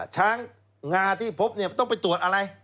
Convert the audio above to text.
ช้างงาที่พบเนี่ยต้องไปตรวจอะไร